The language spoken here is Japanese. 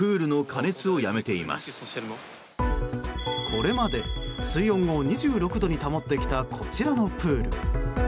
これまで水温を２６度に保ってきた、こちらのプール。